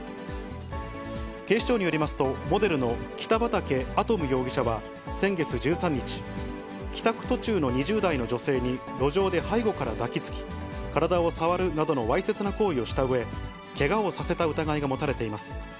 警視庁によりますと、モデルの北畠亜都夢容疑者は、先月１３日、帰宅途中の２０代の女性に路上で背後から抱きつき、体を触るなどのわいせつな行為をしたうえ、けがをさせた疑いが持たれています。